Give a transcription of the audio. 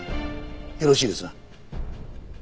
よろしいですな？